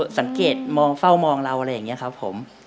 สังเกตมองเฝ้ามองเราอะไรอย่างนี้ครับผม